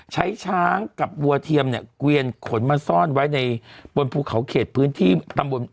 ช้างกับวัวเทียมเนี่ยเกวียนขนมาซ่อนไว้ในบนภูเขาเขตพื้นที่ตำบล